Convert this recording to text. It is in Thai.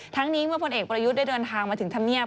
ทั้งนี้เมื่อพลเอกประยุทธ์ได้เดินทางมาถึงธรรมเนียบ